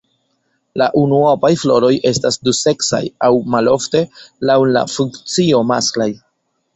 La unuopaj floroj estas duseksaj aŭ malofte laŭ la funkcio masklaj.